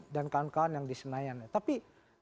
dan kawan kawan yang di senayan tapi